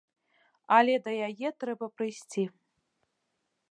Але да яе трэба прыйсці.